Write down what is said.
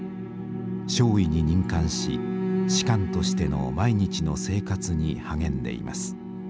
少尉に任官し士官としての毎日の生活に励んでいます」。